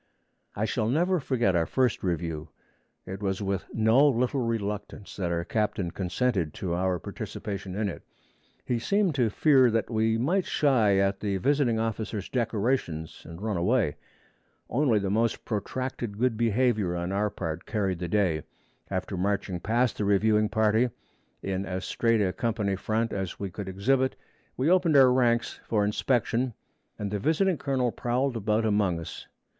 I shall never forget our first review. It was with no little reluctance that our captain consented to our participation in it. He seemed to fear that we might shy at the visiting officers' decorations, and run away. Only the most protracted good behavior on our part carried the day. After marching past the reviewing party, in as straight a company front as we could exhibit, we opened our ranks for inspection, and the visiting colonel prowled about among us.